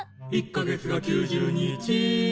「１か月が９０日」